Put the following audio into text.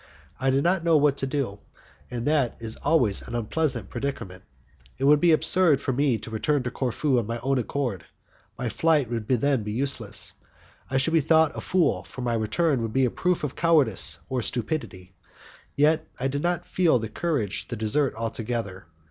I did not know what to do, and that is always an unpleasant predicament. It would be absurd for me to return to Corfu of my own accord; my flight would then be useless, and I should be thought a fool, for my return would be a proof of cowardice or stupidity; yet I did not feel the courage to desert altogether.